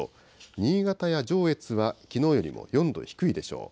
新潟や上越はきのうよりも４度低いでしょう。